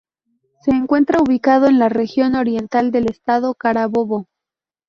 Se encuentra ubicado en la "Región Oriental" del Estado Carabobo.